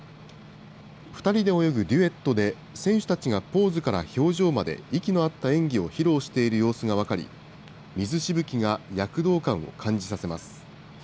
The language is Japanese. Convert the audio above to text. ２人で泳ぐデュエットで、選手たちがポーズから表情まで、息の合った演技を披露している様子が分かり、水しぶきが躍動感を感じさせます。